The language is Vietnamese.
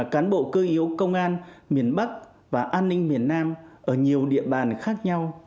cán bộ cơ yếu công an miền bắc và an ninh miền nam ở nhiều địa bàn khác nhau